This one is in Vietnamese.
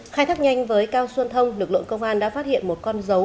khai thác nhanh với cao xuân thông lực lượng công an đã phát hiện một con dấu